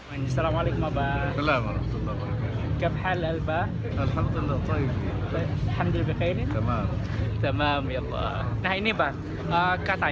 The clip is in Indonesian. assalamualaikum warahmatullahi wabarakatuh